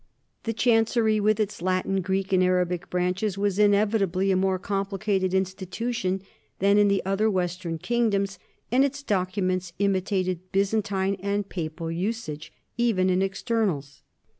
The chancery, with its Latin, Greek, and Arabic branches, was inevitably a more complicated institution than in the other western kingdoms, and its documents imitated Byzantine and papal usage, even in externals.